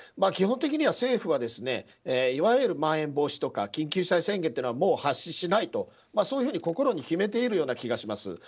基本的には政府はいわゆる、まん延防止とか緊急事態宣言というのはもう発出しないとそういうふうに心に決めているような気がします。